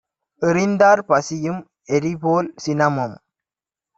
எறிந்தார். பசியும், எரிபோல் சினமும்